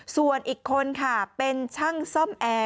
ส่วนอีกคนค่ะเป็นช่างซ่อมแอร์